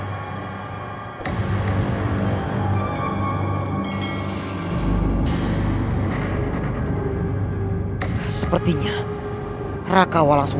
aku sangat merindukanmu chittan